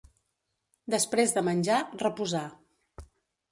Després de menjar, reposar.